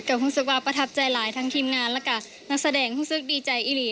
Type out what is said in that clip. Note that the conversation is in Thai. กลับความสุขว่าประทับใจหลายทั้งทีมงานและกับนักแสดงความสุขดีใจอีหรี่